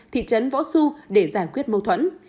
thị trấn võ xu để giải quyết mâu thuẫn